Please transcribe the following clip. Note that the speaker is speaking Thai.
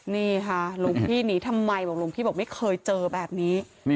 นี่ค่ะหลวงพี่หนีทำไมบอกหลวงพี่บอกไม่เคยเจอแบบนี้